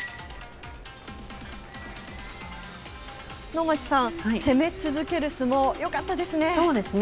能町さん、攻め続ける相撲、そうですね。